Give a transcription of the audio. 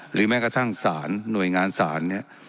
แม้กระทั่งสารหน่วยงานศาลเนี่ย